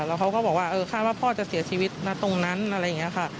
แล้วเขาก็บอกว่าเออคาดว่าพ่อจะเสียชีวิตนะตรงนั้นอะไรอย่างนี้ค่ะ